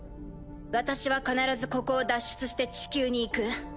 私は必ずここを脱出して地球に行く。